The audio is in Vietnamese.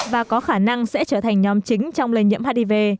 và có khả năng sẽ trở thành nhóm chính trong lây nhiễm hiv